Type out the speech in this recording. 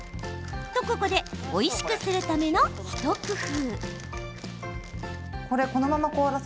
と、ここでおいしくするための一工夫。